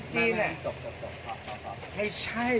เมื่อ๑๙นาทีแม่งก็โดดใส่หน้าโน้น